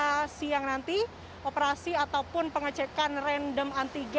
nantinya mulai pukul dua siang nanti operasi ataupun pengecekan random antigen di kilometer ini akan kembali di jakarta